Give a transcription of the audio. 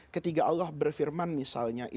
ketika allah berfirman misalnya